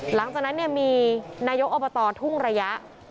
หลังจากนั้นมีนายกอบตทุ่งระยะ